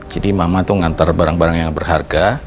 jadi mama tuh ngantar barang barang yang berharga